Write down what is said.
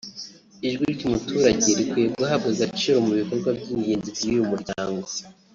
ijwi ry’umuturage rikwiye guhabwa agaciro mu bikorwa by’ingenzi by’uyu muryango